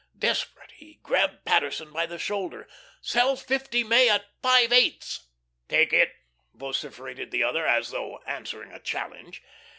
Desperate, he grabbed Paterson by the shoulder. "'Sell fifty May at five eighths." "Take it," vociferated the other, as though answering a challenge.